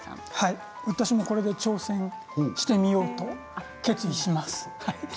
私もこれで挑戦してみようと決意します。